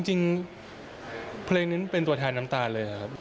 จริงเพลงนี้เป็นตัวแทนน้ำตาลเลยครับ